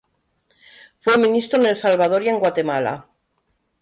Fue ministro en El Salvador y en Guatemala.